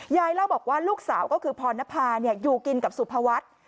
ยายเล่าบอกว่าลูกสาวก็คือพรณภาอยู่กินกับสุภวัฒน์